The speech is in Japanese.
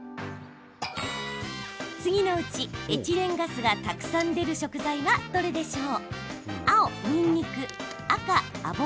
次のうち、エチレンガスがたくさん出る食材はどれでしょう？